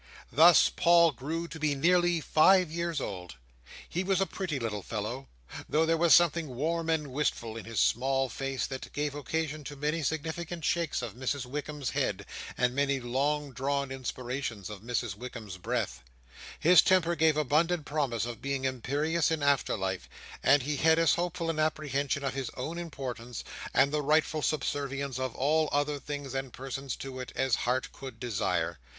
Thus Paul grew to be nearly five years old. He was a pretty little fellow; though there was something wan and wistful in his small face, that gave occasion to many significant shakes of Mrs Wickam's head, and many long drawn inspirations of Mrs Wickam's breath. His temper gave abundant promise of being imperious in after life; and he had as hopeful an apprehension of his own importance, and the rightful subservience of all other things and persons to it, as heart could desire.